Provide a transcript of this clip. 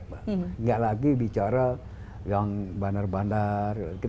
tidak lagi bicara yang bandar bandar